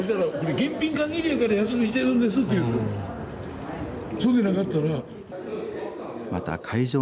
現品限りやから安くしてるんですっていう。